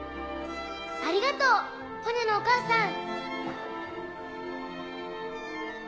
ありがとうポニョのお母さん。